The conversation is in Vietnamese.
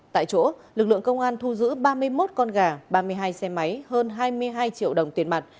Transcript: tại chỗ lực lượng công an thu giữ ba mươi một con gà ba mươi hai xe máy hơn hai mươi hai triệu đồng tiền mặt